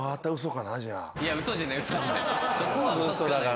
そこは嘘つかないですよ。